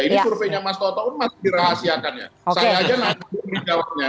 ini surveinya mas toto masih dirahasiakannya saya saja nanti berjawabnya